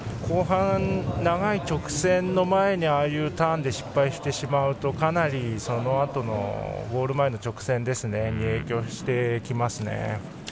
後半、長い直線の前にターンで失敗してしまうとかなりそのあとのゴール前の直線に影響してきますね。